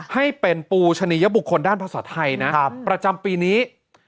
ให้เป็นปูชะนียบุคคลด้านภาษาไทยนะประจำปีนี้